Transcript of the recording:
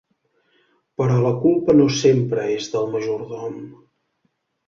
Però la culpa no sempre és del majordom.